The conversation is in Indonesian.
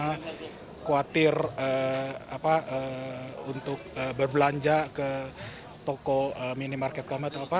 khawatir untuk berbelanja ke toko minimarket kami